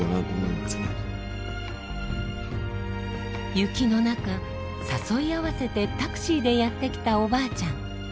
雪の中誘い合わせてタクシーでやって来たおばあちゃん。